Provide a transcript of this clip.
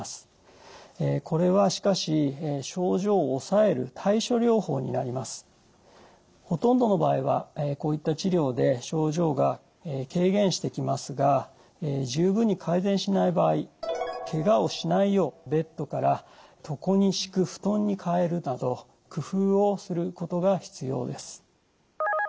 これはしかしほとんどの場合はこういった治療で症状が軽減してきますが十分に改善しない場合けがをしないようベッドから床に敷く布団に替えるなど工夫をすることが必要です。